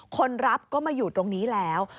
คนรับก็มาอยู่ตรงนี้แล้ว